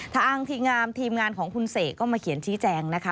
ทางทีมงานทีมงานของคุณเสกก็มาเขียนชี้แจงนะคะ